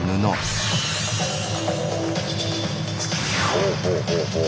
ほうほうほうほう。